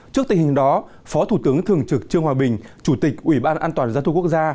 trước tình hình đó phó thủ tướng thường trực trương hòa bình chủ tịch ủy ban an toàn giao thông quốc gia